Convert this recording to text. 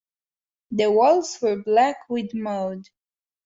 The walls were black with mould.